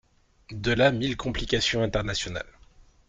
De là mille complications internationales.